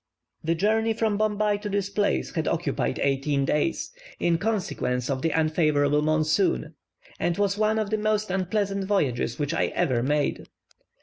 The journey from Bombay to this place had occupied eighteen days, in consequence of the unfavourable monsoon, and was one of the most unpleasant voyages which I ever made.